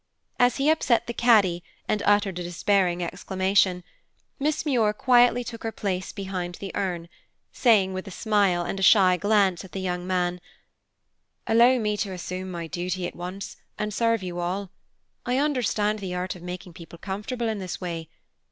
As he upset the caddy and uttered a despairing exclamation, Miss Muir quietly took her place behind the urn, saying with a smile, and a shy glance at the young man, "Allow me to assume my duty at once, and serve you all. I understand the art of making people comfortable in this way.